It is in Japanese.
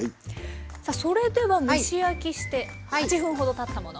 さあそれでは蒸し焼きして８分ほどたったもの。